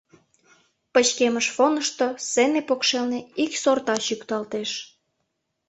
Пычкемыш фонышто сцене покшелне ик сорта чӱкталтеш.